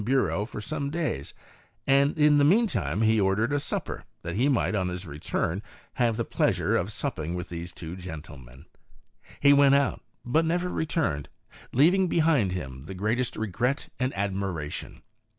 Bureau for some days, and in the mean time he ordered a supper, that he might, on his return, have the plea sure of supping with these two gentlemen. He went out, but never returned, leaving behind him the greatest regret and admiration.